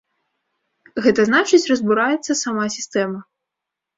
Гэта значыць, разбураецца сама сістэма.